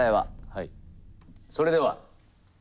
はい。